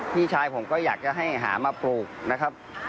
พี่ชายผมก็อยากจะให้หามาปลูกนะครับ